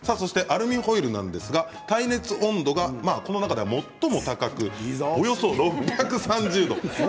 アルミホイルなんですが耐熱温度がこの中では最も高くおよそ６３０度。